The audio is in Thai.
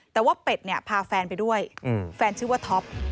แต่ว่าเป็ดเนี่ยพาแฟนไปด้วยแฟนชื่อว่าท็อป